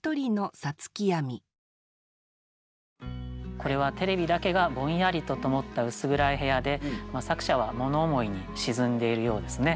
これはテレビだけがぼんやりとともった薄暗い部屋で作者は物思いに沈んでいるようですね。